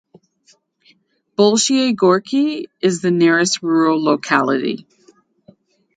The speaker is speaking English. Bolshiye Gorki is the nearest rural locality.